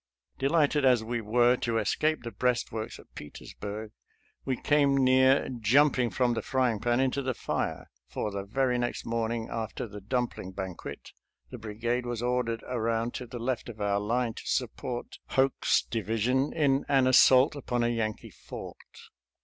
Delighted as we were to escape the breast works at Petersburg, we came near " jumping from the frying pan into the fire," for the very next morning after the dumpling banquet the brigade was ordered around to the left of our line to support Hoke's division in an assault upon a Yankee fort.